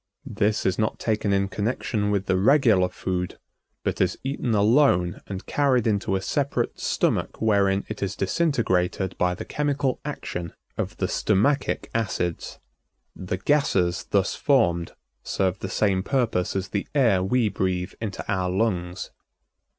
This is not taken in connection with the regular food, but is eaten alone and carried into a separate stomach wherein it is disintegrated by the chemical action of the stomachic acids. The gases thus formed serve the same purpose as the air we breathe into our lungs.